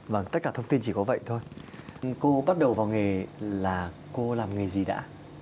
vâng tất cả thông tin chỉ có vậy thôi cô bắt đầu vào nghề là cô làm nghề gì đã